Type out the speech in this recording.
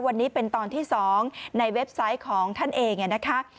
วันนี้เป็นตอนที่๒ในเว็บไซต์ของท่านเองนะคะ